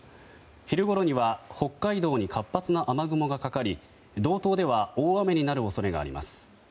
昼頃には北海道に活発な雨雲がかかり道東では大雨になる恐れがあります。